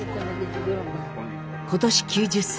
今年９０歳。